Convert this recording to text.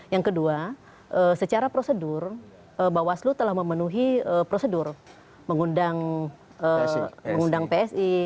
yang kedua secara prosedur bawaslu telah memenuhi prosedur mengundang psi